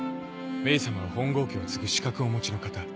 メイさまは本郷家を継ぐ資格をお持ちの方。